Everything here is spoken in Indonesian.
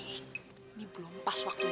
sssstttt ini belum pas waktunya